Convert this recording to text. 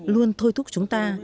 luôn thôi thúc chúng ta